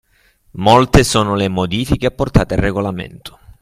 Molto sono le modifiche apportate al regolamento.